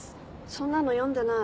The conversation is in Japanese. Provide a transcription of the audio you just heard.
そんなの読んでない。